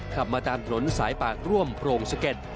ขับมาตามถนนสายปากร่วมโปร่งสะเก็ด